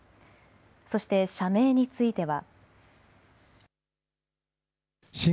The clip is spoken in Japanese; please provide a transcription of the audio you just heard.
そして社名については。